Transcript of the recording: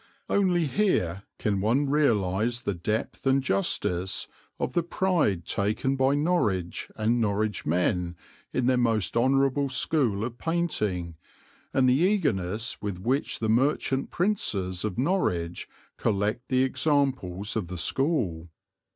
Only here can one realize the depth and justice of the pride taken by Norwich and Norwich men in their most honourable school of painting, and the eagerness with which the merchant princes of Norwich collect the examples of the school.